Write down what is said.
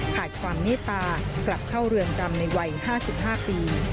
ขาดความเมตตากลับเข้าเรือนจำในวัย๕๕ปี